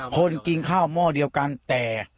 คนกินข้าวหม้อเดียวกันแต่